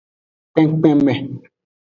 Kpenkpenme.